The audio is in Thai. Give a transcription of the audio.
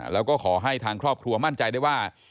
แล้วก็ขอให้ทางครอบครัวมั่นใจได้ว่า